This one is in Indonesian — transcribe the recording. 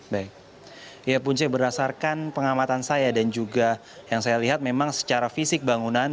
baik ya punce berdasarkan pengamatan saya dan juga yang saya lihat memang secara fisik bangunan